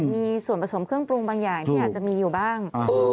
มีส่วนผสมเครื่องปรุงบางอย่างที่อาจจะมีอยู่บ้าง